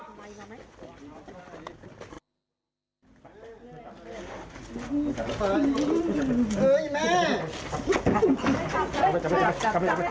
เฮ้ยแม่